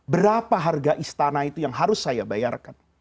berapa harga istana itu yang harus saya bayarkan